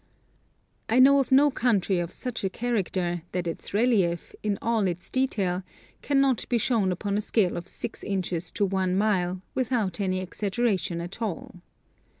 I know of no country of such a charac Topog7'aphic Models. 261 ter that its relief, in all its detail, cannot be shown upon a scale of 6 inches to 1 mile without any exaggeration at all.